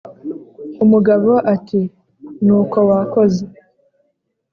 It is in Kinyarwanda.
umugabo ati: "Ni uko wakoze!"